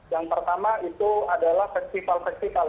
yang pertama itu adalah festival festival